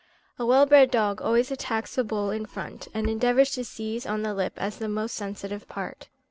A well bred dog always attacks the bull in front, and endeavours to seize on the lip as the most sensitive part.